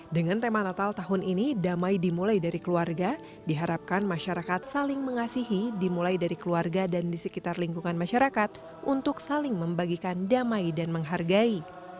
dengan tema natal tahun ini damai dimulai dari keluarga diharapkan masyarakat saling mengasihi dimulai dari keluarga dan di sekitar lingkungan masyarakat untuk saling membagikan damai dan menghargai